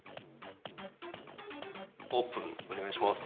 オープンお願いします。